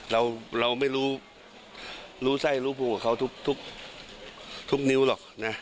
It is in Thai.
เราไม่รู้รู้ไส้รู้ผูกกับเขาทุกนิ้วหรอกนะ